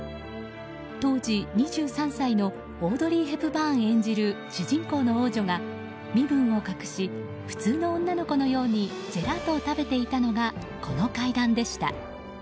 当時２３歳のオードリー・ヘプバーン演じる主人公の王女が身分を隠し普通の女の子のようにジェラートを食べていたのがこの階段でした。